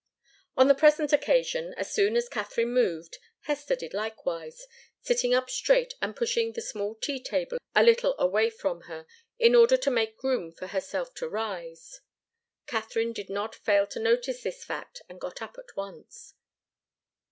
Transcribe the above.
On the present occasion, as soon as Katharine moved, Hester did likewise, sitting up straight, and pushing the small tea table a little away from her, in order to make room for herself to rise. Katharine did not fail to notice the fact, and got up at once.